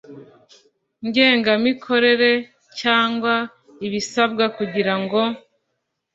ngengamikorere cyangwa ibisabwa kugira ngo